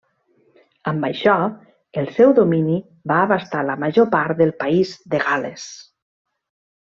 Amb això, el seu domini va abastar la major part del país de Gal·les.